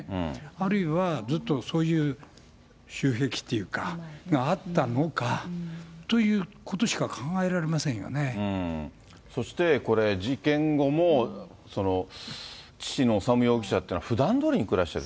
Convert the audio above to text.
あるいは、ずっとそういう習癖っていうか、あったのか、ということしか考えそしてこれ、事件後も父の修容疑者っていうのはふだんどおりに暮らしてる。